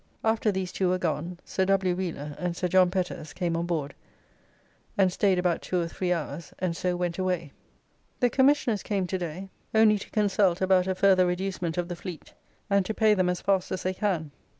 After these two were gone Sir W. Wheeler and Sir John Petters came on board and staid about two or three hours, and so went away. The Commissioners came to day, only to consult about a further reducement of the Fleet, and to pay them as fast as they can.